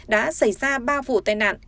đã xảy ra ba vụ tai nạn